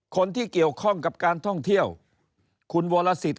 คนที่เกี่ยวข้องกับการท่องเที่ยวคุณวรสิทธิ